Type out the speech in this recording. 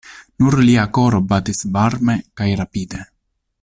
Nur lia koro batis varme kaj rapide.